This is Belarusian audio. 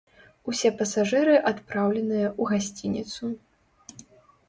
Усе пасажыры адпраўленыя ў гасцініцу.